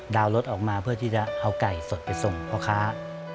ดาวน์รถออกมาเพื่อที่จะเอาไก่สดไปส่งพ่อค้า